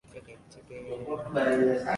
chiến tranh đem đến đau thương